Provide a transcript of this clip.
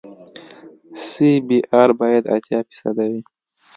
سی بي ار باید اتیا فیصده وي